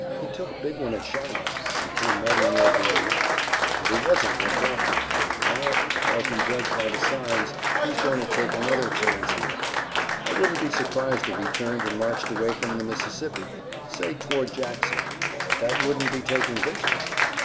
"He took a big one at Shiloh, and came mighty near being nipped." "But he wasn't nipped after all, and now, if I can judge by the signs, he's going to take another chance here. I wouldn't be surprised if he turned and marched away from the Mississippi, say toward Jackson." "But that wouldn't be taking Vicksburg."